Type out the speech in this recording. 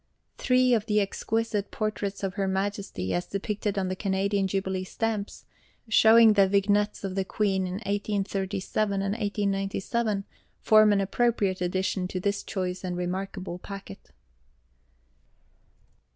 Three of the exquisite Portraits of Her Majesty, as depicted on the Canadian Jubilee Stamps, showing the Vignettes of the Queen in 1837 and 1897, form an appropriate addition to this choice and remarkable packet.